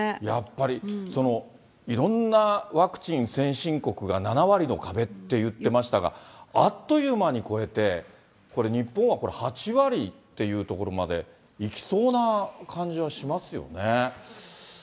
やっぱりいろんなワクチン先進国が７割の壁っていってましたが、あっという間に超えて、これ、日本は８割っていうところまでいきそうな感じはしますよね。